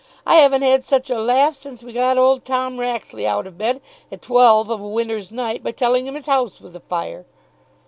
I haven't had such a laugh since we got old Tom Raxley out of bed at twelve of a winter's night by telling him his house was a fire."